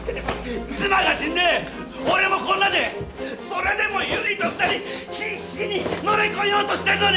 妻が死んで俺もこんなでそれでも悠里と２人必死に乗り越えようとしてるのに！